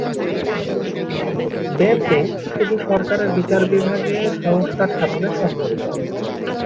Bentinck শুধু সরকারের বিচার বিভাগে সংস্কার সাধনে সক্ষম হন।